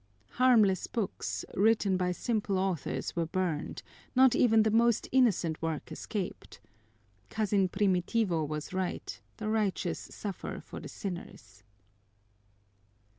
Harmless books, written by simple authors, were burned; not even the most innocent work escaped. Cousin Primitivo was right: the righteous suffer for the sinners.